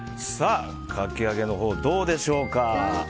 かき揚げのほう、どうでしょうか。